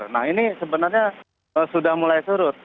nah ini sebenarnya sudah mulai surut